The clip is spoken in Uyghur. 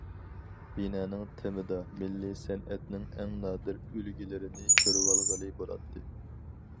بىنانىڭ تېمىدا مىللىي سەنئەتنىڭ ئەڭ نادىر ئۈلگىلىرىنى كۆرۈۋالغىلى بولاتتى.